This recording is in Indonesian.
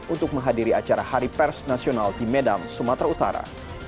untuk menghadiri acara hari pers nasional di medan sumatera utara